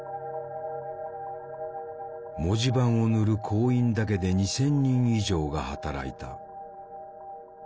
文字盤を塗る工員だけで２，０００人以上が働いた。